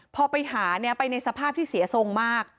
พอไปหาเนี่ยไปในสภาพที่เสียทรงมาก